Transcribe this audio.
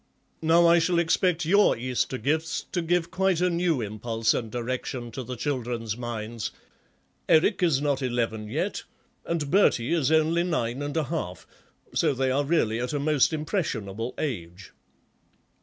Now I shall expect your Easter gifts to give quite a new impulse and direction to the children's minds; Eric is not eleven yet, and Bertie is only nine and a half, so they are really at a most impressionable age."